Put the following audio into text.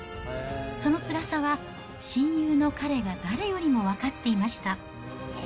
そのつらさは親友の彼が誰よりも分かっていました。